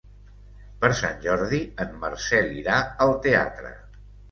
Per Sant Jordi en Marcel irà al teatre.